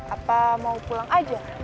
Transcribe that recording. apa mau pulang aja